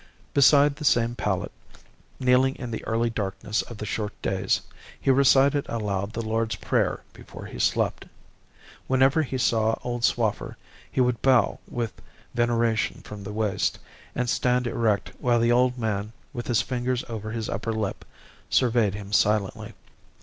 Beside the same pallet, kneeling in the early darkness of the short days, he recited aloud the Lord's Prayer before he slept. Whenever he saw old Swaffer he would bow with veneration from the waist, and stand erect while the old man, with his fingers over his upper lip, surveyed him silently.